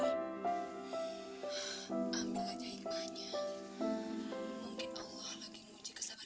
ambil aja ilmahnya